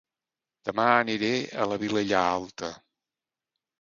Dema aniré a La Vilella Alta